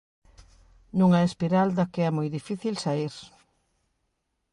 Nunha espiral da que é moi difícil saír.